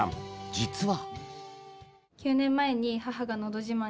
実は。